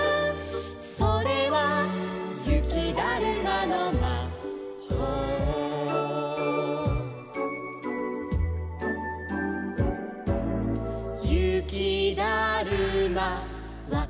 「それはゆきだるまのまほう」「ゆきだるまはとけるとき」